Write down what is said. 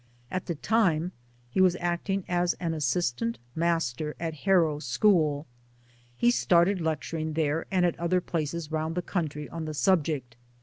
At the time he was acting as an assistant master at Harrow School. He started lecturing there and at other places round the country on the subject.